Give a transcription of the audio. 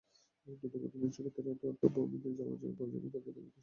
দুদক অধিকাংশ ক্ষেত্রে তথ্য-প্রমাণ পাওয়া যায়নি বলে তঁাদের দায়মুক্তির সনদ দিয়ে দেয়।